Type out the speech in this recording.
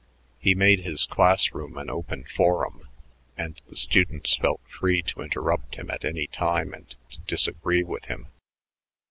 He made his class room an open forum, and the students felt free to interrupt him at any time and to disagree with him.